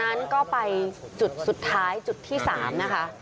นั้นก็ไปจุดสุดท้ายจุดที่๓นะคะ